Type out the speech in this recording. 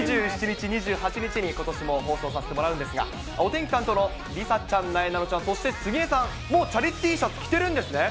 ２７日、２８日にことしも放送させてもらうんですが、お天気担当の梨紗ちゃん、なえなのちゃん、そして、杉江さん、もうチャリＴシャツ、着てるんですね。